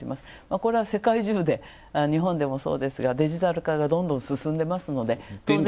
これは世界中で日本でもそうですがデジタル化がどんどん進んでおりますので。